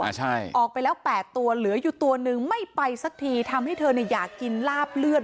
ออกไปแล้วแปดตัวเหลืออยู่ตัวหนึ่งไม่ไปสักทีทำให้เธอเนี่ยอยากกินลาบเลือด